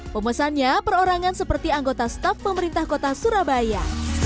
pemesannya perorangan seperti anggota staf pemerintah kota surabaya